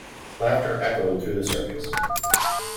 Laughter echoed through the circus.